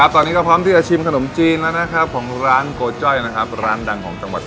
ตอนนี้ก็พร้อมใส่ชิปขนมจีน